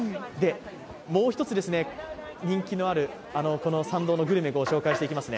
もう一つ人気のあるこの参道のグルメをご紹介していきますね。